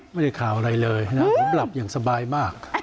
ไม่ได้ข่าวอะไรเลยนะผมหลับอย่างสบายมาก